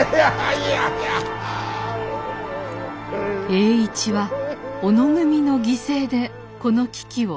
栄一は小野組の犠牲でこの危機を乗り切りました。